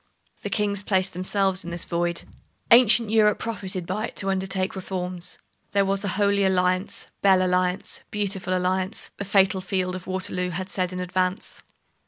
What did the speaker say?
The kings placed themselves in this void. Ancient Europe profited by it to undertake reforms. There was a Holy Alliance; Belle Alliance, Beautiful Alliance, the fatal field of Waterloo had said in advance.